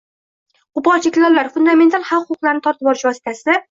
Qo‘pol cheklovlar — fundamental haq-huquqlarni tortib olish vositasida